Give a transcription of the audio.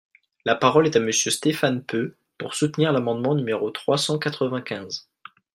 La parole est à Monsieur Stéphane Peu, pour soutenir l’amendement numéro trois cent quatre-vingt-quinze.